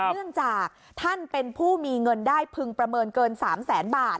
เนื่องจากท่านเป็นผู้มีเงินได้พึงประเมินเกิน๓แสนบาท